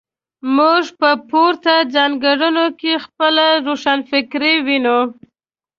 موږ په پورته ځانګړنو کې خپله روښانفکري وینو.